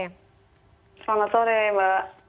selamat sore mbak